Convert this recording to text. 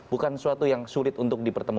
bukan sesuatu yang sulit untuk dipertemui